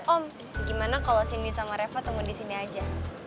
om gimana kalau sini sama reva tunggu disini aja